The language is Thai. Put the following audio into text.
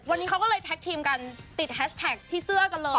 วันนี้เขาก็เลยแท็กทีมกันติดแฮชแท็กที่เสื้อกันเลย